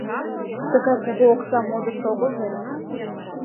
Тыгай кугу окса модыш огыл вет.